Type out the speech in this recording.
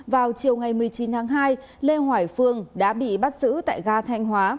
vào chiều ngày một mươi chín tháng hai lê hoài phương đã bị bắt giữ tại ga thanh hóa